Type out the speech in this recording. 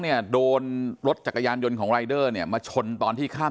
เนี่ยโดนรถจักรยานยนต์ของรายเดอร์เนี่ยมาชนตอนที่ข้าม